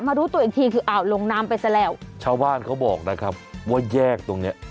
รู้ตัวอีกทีคืออ่าวลงน้ำไปซะแล้วชาวบ้านเขาบอกนะครับว่าแยกตรงเนี้ย